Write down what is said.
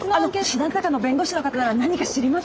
師団坂の弁護士の方なら何か知りません？